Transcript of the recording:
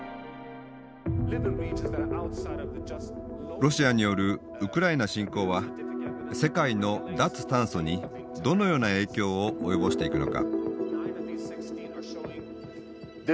ロシアによるウクライナ侵攻は世界の脱炭素にどのような影響を及ぼしていくのか。